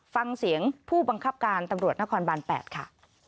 ฟังเสียงผู้บังคับการตำรวจนครบาน๘ค่ะ